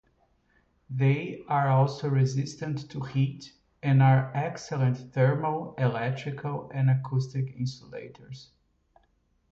They are also resistant to heat and are excellent thermal, electrical and acoustic insulators.